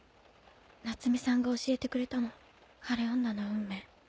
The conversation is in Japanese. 夏美さんが教えてくれたの晴れ女の運命。